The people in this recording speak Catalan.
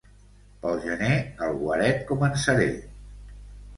Pel gener el guaret començaré.